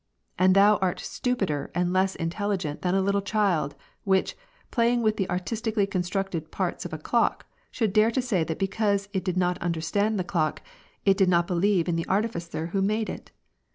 " And thou art stupider and less intelligent than a little child, which, playing with the artistically constructed parts of a clock, should dare to say that because it did not understand the clock, it did not believe in the artificer who made it.